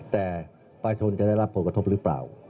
แต่ประชาชนจะได้รับผลกระทบหรือเปล่า